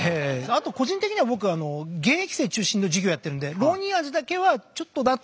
あと個人的には僕は現役生中心の授業やってるんでロウニンアジだけはちょっとなと思ってたんでよかったです。